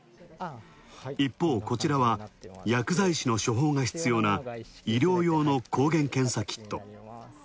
一方こちらは、薬剤師の処方が必要な医療用の抗原検査キット。